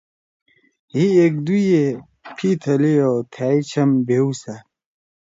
ہئے دُوئے ایکدُوئے پھی تھلی او تھائں چھم بھیؤسأد۔